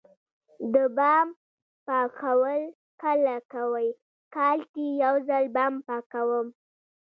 د بام پاکول کله کوئ؟ کال کې یوځل بام پاکوم